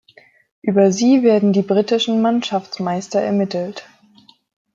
Über sie werden die britischen Mannschaftsmeister ermittelt.